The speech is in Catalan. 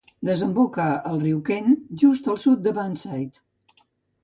Desemboca al riu Kent just al sud de Burneside.